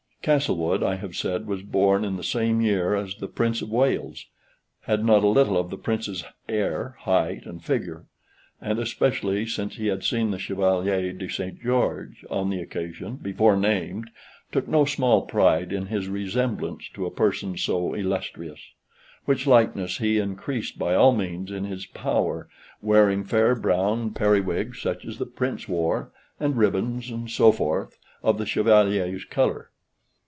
Castlewood, I have said, was born in the same year as the Prince of Wales; had not a little of the Prince's air, height, and figure; and, especially since he had seen the Chevalier de St. George on the occasion before named, took no small pride in his resemblance to a person so illustrious; which likeness he increased by all means in his power, wearing fair brown periwigs, such as the Prince wore, and ribbons, and so forth, of the Chevalier's color.